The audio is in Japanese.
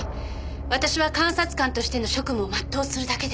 私は監察官としての職務を全うするだけです。